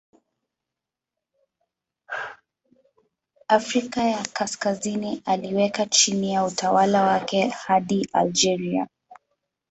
Afrika ya Kaskazini aliweka chini ya utawala wake hadi Algeria.